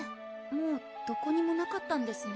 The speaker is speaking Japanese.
もうどこにもなかったんですね